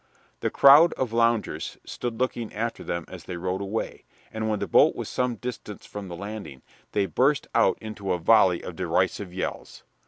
The crowd of loungers stood looking after them as they rowed away, and when the boat was some distance from the landing they burst out into a volley of derisive yells.